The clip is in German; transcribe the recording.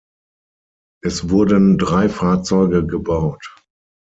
Es wurden drei Fahrzeuge gebaut.